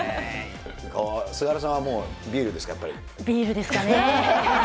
菅原さんはもうビールですか、ビールですかね。